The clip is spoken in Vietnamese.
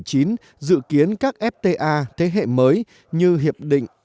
chúng tôi đã gặp những người bạn